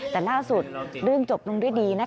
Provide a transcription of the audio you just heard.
แต่ล่าสุดเรื่องจบลงด้วยดี